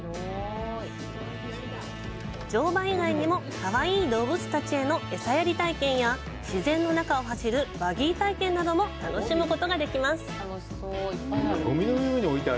乗馬以外にもかわいい動物たちへの餌やり体験や自然の中を走るバギー体験なども楽しむことができます。